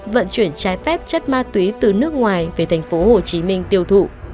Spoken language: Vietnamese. vận chuyển trái phép chất ma túy từ nước ngoài về thành phố hồ chí minh tiêu thụ